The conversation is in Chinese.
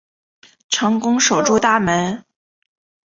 成功守住大门